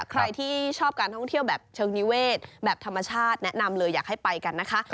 ใครที่ชอบการท่องเที่ยวแบบเชิงนิเวศแบบธรรมชาติแนะนำเลยอยากให้ไปกันนะคะ